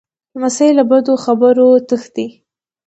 لمسی له بدو خبرو تښتي.